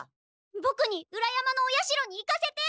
ボクに裏山のお社に行かせて！